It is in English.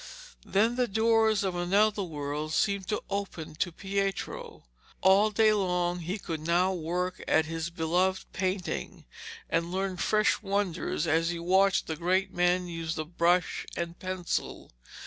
Then the doors of another world seemed to open to Pietro. All day long he could now work at his beloved painting and learn fresh wonders as he watched the great men use the brush and pencil.